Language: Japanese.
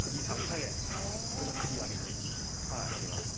これが首上げになります。